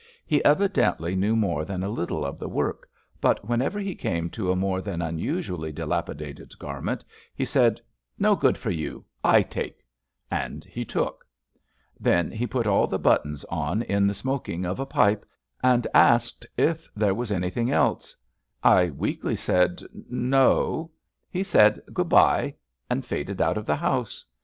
He evidently knew more than a little of the work, but whenever he came to a more than unusually dilapidated garment, he said: " No good for you, I take ''; and he took. Then he put all the buttons on in the smoking of a pipe, and asked if there was anything else. I weakly said No.'* He said: Good bye,'' and faded out of the house.